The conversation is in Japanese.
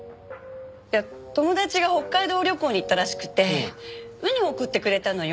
いや友達が北海道旅行に行ったらしくてウニを送ってくれたのよ。